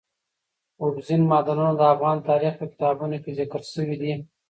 اوبزین معدنونه د افغان تاریخ په کتابونو کې ذکر شوی دي.